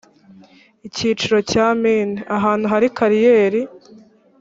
icyicaro cya mine ahantu hari kariyeri